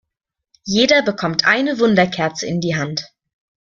Jeder bekommt eine Wunderkerze in die Hand.